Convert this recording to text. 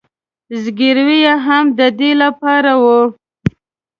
زګیروي یې هم د دې له پاره و.